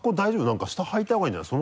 なんか下はいた方がいいんじゃない？